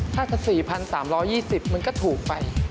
ถ้าจะ๔๓๒๐มันก็ถูกไป